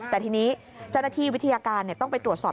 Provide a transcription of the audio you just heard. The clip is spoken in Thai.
แต่ที่นี่จริงวิทยาการต้องไปตรวจสอบ